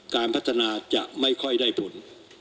การพัฒนาจะไม่ค่อยได้ผล